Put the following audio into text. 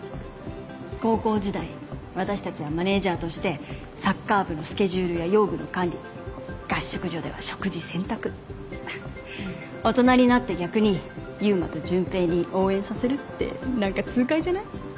高校時代私たちはマネージャーとしてサッカー部のスケジュールや用具の管理合宿所では食事洗濯大人になって逆に悠馬と純平に応援させるってなんか痛快じゃない？